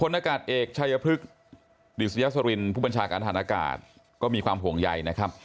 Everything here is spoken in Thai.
นากาศเอกชายพฤกษ์ดิสยสรินผู้บัญชาการฐานอากาศก็มีความห่วงใยนะครับ